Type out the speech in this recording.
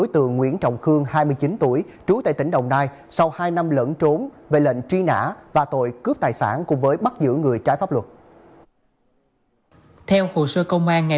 tuy nhiên thừa không hợp tác và không hợp tác